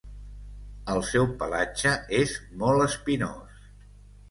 El seu pelatge és molt espinós.